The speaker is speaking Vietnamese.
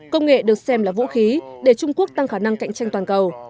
công nghệ được xem là vũ khí để trung quốc tăng khả năng cạnh tranh toàn cầu